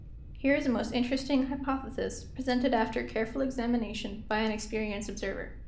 Here is a most interesting hy¬ pothesis presented after careful examination by an experienced observer.